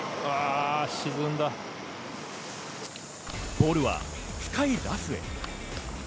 ボールは深いラフへ。